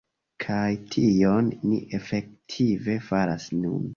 Kaj tion ni efektive faras nun.